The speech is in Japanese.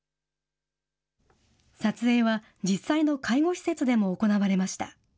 撮影は実際の介護施設でも行われました。